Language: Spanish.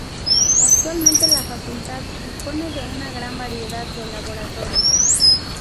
Actualmente, la facultad dispone de una gran variedad de laboratorios.